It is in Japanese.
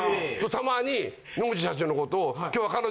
たまに野口社長のことを。